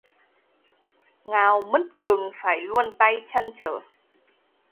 Ngào mứt gừng phải luôn tay trăn trở